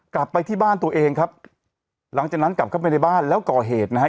กลับไปที่บ้านตัวเองครับหลังจากนั้นกลับเข้าไปในบ้านแล้วก่อเหตุนะฮะ